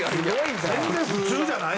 全然普通じゃない。